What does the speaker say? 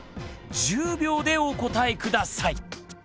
１０秒でお答え下さい！